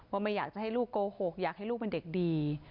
ไม่อยากจะให้ลูกโกหกอยากให้ลูกเป็นเด็กดี